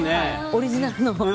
オリジナルの。